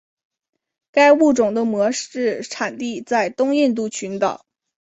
该物种的模式产地在东印度群岛。